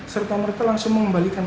serta mereka langsung mengembalikan